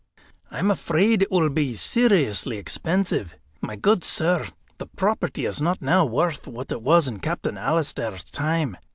"I am afraid it will be seriously expensive. My good sir, the property is not now worth what it was in Captain Alister's time.